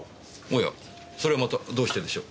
おやそれはまたどうしてでしょう？